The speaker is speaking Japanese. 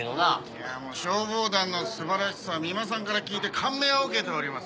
いやあ消防団の素晴らしさは三馬さんから聞いて感銘を受けております。